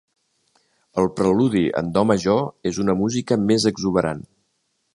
El Preludi en do major és una música més exuberant.